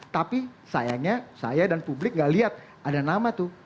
tapi sayangnya saya dan publik gak lihat ada nama tuh